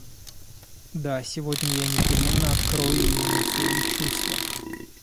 Да, сегодня я непременно открою ему свои чувства.